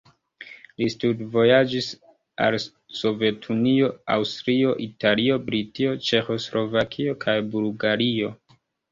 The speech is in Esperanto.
Li studvojaĝis al Sovetunio, Aŭstrio, Italio, Britio, Ĉeĥoslovakio kaj Bulgario.